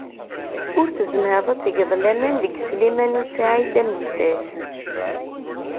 Ur tezmireḍ ad tgeḍ laman deg Sliman u Saɛid Amezdat.